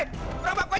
itu orang buat kabur